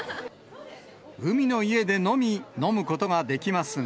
海の家でのみ飲むことができ